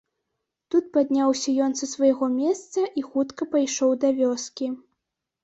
Тут падняўся ён са свайго месца і хутка пайшоў да вёскі.